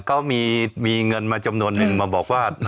เขามีเงินมาจำนวนนึงมาบอกว่า